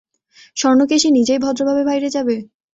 স্বর্ণকেশী, নিজেই ভদ্রভাবে বাইরে যাবে?